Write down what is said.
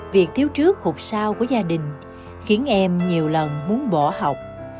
việc thiếu trước hụt sao của gia đình khiến em nhiều lần muốn bỏ học